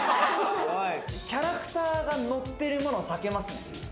キャラクターがのってるもの避けますね。